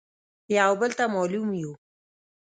يو بل ته مالوم يو.